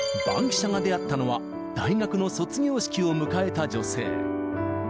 バンキシャが出会ったのは、大学の卒業式を迎えた女性。